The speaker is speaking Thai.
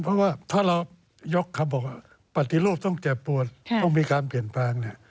เพราะว่าถ้าเรายกคำบอกว่าปฏิรูปต้องเจ็บปวดต้องมีการเปลี่ยนแปลงเนี่ย